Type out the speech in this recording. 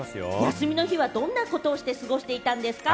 休みの日はどんなことをして過ごしていたんですか？